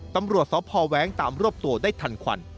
ตำรวจสพแว้งตามรวบตัวได้ทันควัน